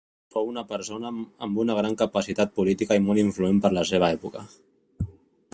Fou una persona amb una gran capacitat política i molt influent per la seva època.